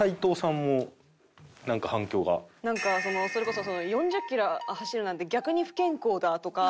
なんかそれこそ「４０キロ走るなんて逆に不健康だ」とか。